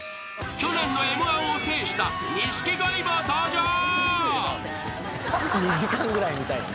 ［去年のＭ−１を制した錦鯉も登場］